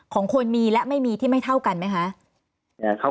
ของคนมีและไม่มีที่ไม่เท่ากันไหมคะ